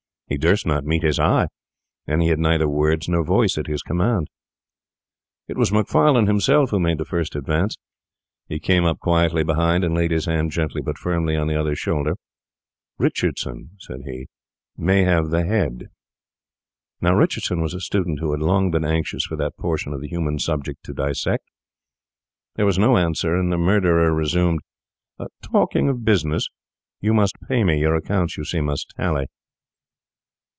He durst not meet his eye, and he had neither words nor voice at his command. It was Macfarlane himself who made the first advance. He came up quietly behind and laid his hand gently but firmly on the other's shoulder. 'Richardson,' said he, 'may have the head.' Now Richardson was a student who had long been anxious for that portion of the human subject to dissect. There was no answer, and the murderer resumed: 'Talking of business, you must pay me; your accounts, you see, must tally.